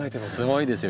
すごいですよ